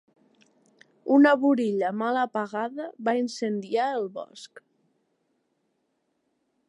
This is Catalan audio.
Una burilla mal apagada va incendiar el bosc.